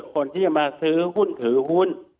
คนที่จะมาซื้อหุ้นถือหุ้น